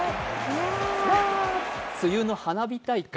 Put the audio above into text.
梅雨の花火大会。